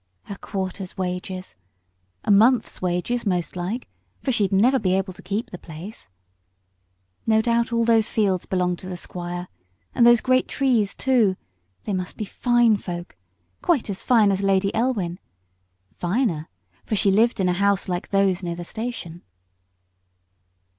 Her quarter's wages! A month's wages most like, for she'd never be able to keep the place. No doubt all those fields belonged to the Squire, and those great trees too; they must be fine folk, quite as fine as Lady Elwin finer, for she lived in a house like those near the station.